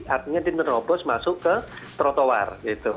artinya dia menerobos masuk ke trotoar gitu